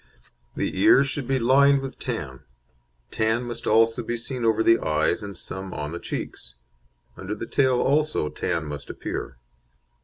The ears should be lined with tan; tan must also be seen over the eyes, and some on the cheeks. Under the tail also tan must appear.